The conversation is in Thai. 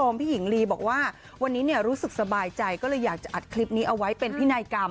พี่หญิงลีบอกว่าวันนี้รู้สึกสบายใจก็เลยอยากจะอัดคลิปนี้เอาไว้เป็นพินัยกรรม